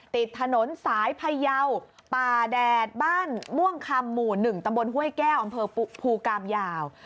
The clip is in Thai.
ติดถนนสายพยาวป่าแดดบ้านม่วงคำหมู่๑ตำบลห้วยแก้วอำเภอภูกามยาว